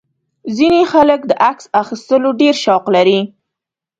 ځینې خلک د عکس اخیستلو ډېر شوق لري.